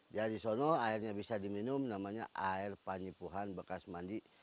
jadi di sana airnya bisa diminum namanya air panjipuhan bekas mandi